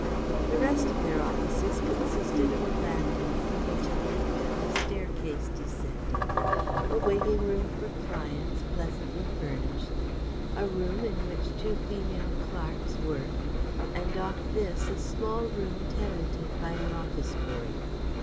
The rest of their offices consisted of a landing from which a lift and a staircase descended, a waiting room for clients, pleasantly furnished, a room in which two female clerks worked, and off this a small room tenanted by an office boy.